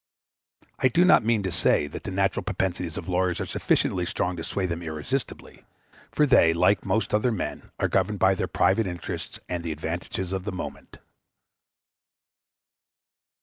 I do not mean to say that the natural propensities of lawyers are sufficiently strong to sway them irresistibly; for they, like most other men, are governed by their private interests and the advantages of the moment.